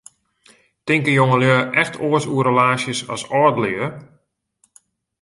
Tinke jongelju echt oars oer relaasjes as âldelju?